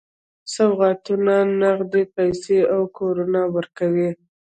سوغاتونه، نغدي پیسې او کورونه ورکوي.